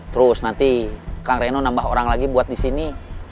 terus nanti kang reno nambah orang lagi buat di sini